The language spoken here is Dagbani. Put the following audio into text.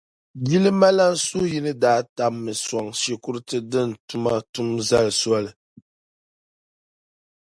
jilimalana Suhuyini daa tabi mi soŋ shikuruti din tuma tum zali soli.